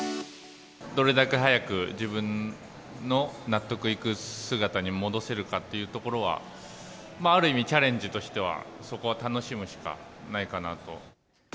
どれだけ早く自分の納得いく姿に戻せるかっていうところは、ある意味チャレンジとしては、そこは楽しむしかないかなと。